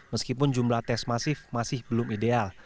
meskipun jumlah tes masif masih belum ideal